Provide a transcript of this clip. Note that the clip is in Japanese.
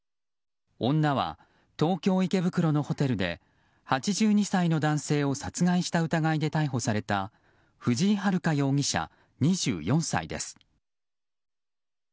女は東京・池袋のホテルで８２歳の男性を殺害した疑いで逮捕された藤井遥容疑者、２４歳です。